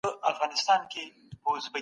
ډوډۍ د الله لوى نعمت دی.